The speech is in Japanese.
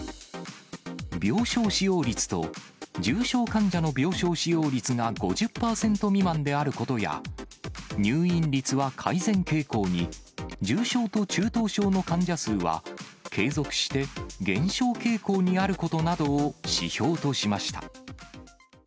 病床使用率と重症患者の病床使用率が５０％未満であることや、入院率は改善傾向に、重症と中等症の患者数は継続して減少傾向にあることなどを指標としました。